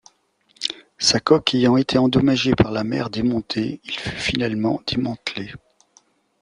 Sa coque ayant été endommagée par la mer démontée, il fut finalement démantelé.